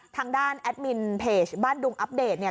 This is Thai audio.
ทางด้านแอดมินเพจบ้านดุงอัปเดตเนี่ย